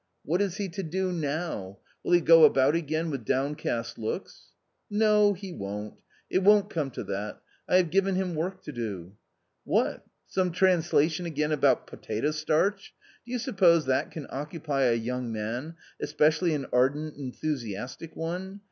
" What is he to do now ? Will he go about again with downcast looks ?"" No ! he won't ; it won't come to that : I have given him work to do." " What ? some translation again about potato starch ? Do you suppose that can occupy a young man, especially an ardent, enthusiastic one